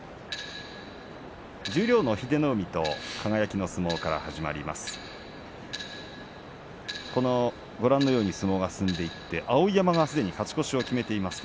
十両の英乃海と輝の相撲から始まります。